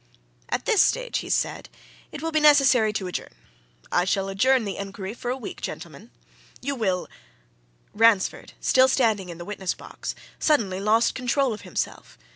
"At this stage," he said, "it will be necessary to adjourn. I shall adjourn the inquiry for a week, gentlemen. You will " Ransford, still standing in the witness box, suddenly lost control of himself.